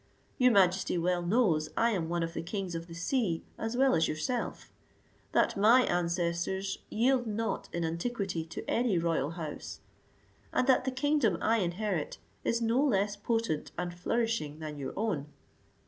Your majesty well knows I am one of the kings of the sea as well as yourself; that my ancestors yield not in antiquity to any royal house; and that the kingdom I inherit is no less potent and flourishing than your own.